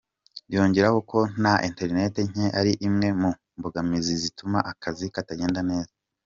Yongeraho ko na internet nke ari imwe mu mbogamizi zituma akazi katagenda neza.